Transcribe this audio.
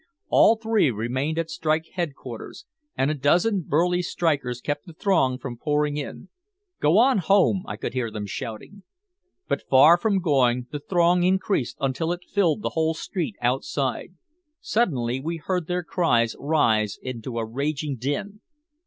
All three remained at strike headquarters, and a dozen burly strikers kept the throng from pouring in. "Go on home," I could hear them shouting. But far from going, the throng increased until it filled the whole street outside. Suddenly we heard their cries rise into a raging din.